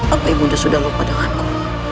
apa ibu nda sudah lupa denganku